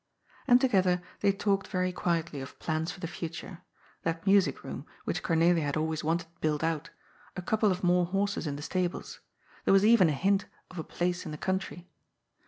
And together they talked very quietly of plans for the future, that music room, which Cornelia had always wanted built out, a couple of more horses in the stables — there was even a hint of a place in the country.